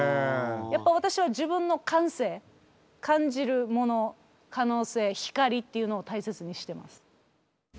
やっぱ私は自分の感性感じるもの可能性光っていうのを大切にしてます。